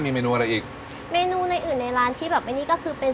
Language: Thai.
มีเมนูอะไรอีกเมนูในอื่นในร้านที่แบบไอ้นี่ก็คือเป็น